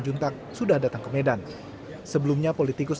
kita datang dengan semangat kolaborasi